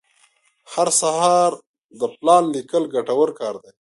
هر سهار د پلان لیکل ګټور کار دی.